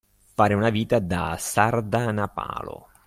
Fare una vita da sardanapalo.